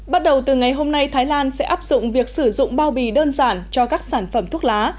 bắt đầu từ ngày hôm nay thái lan sẽ áp dụng việc sử dụng bao bì đơn giản cho các sản phẩm thuốc lá